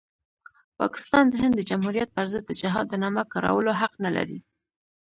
پاکستان د هند د جمهوریت پرضد د جهاد د نامه کارولو حق نلري.